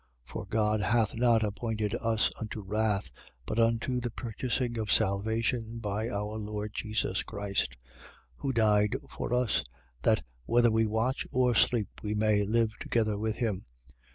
5:9. For God hath not appointed us unto wrath: but unto the purchasing of salvation by our Lord Jesus Christ, 5:10. Who died for us: that, whether we watch or sleep, we may live together with him.